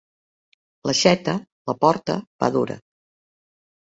L'aixeta, la porta, va dura.